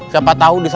siapa tahu disana